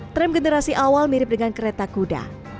tram generasi awal mirip dengan kereta kuda